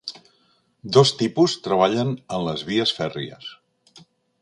Dos tipus treballen en les vies fèrries.